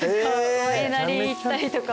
ワイナリー行ったりとか。